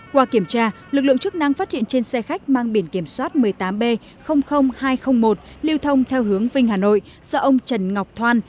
qua kiểm tra lực lượng chức năng phát hiện trên xe khách mang biển kiểm soát một mươi tám b hai trăm linh một lưu thông theo hướng vinh hà nội do ông trần ngọc thoan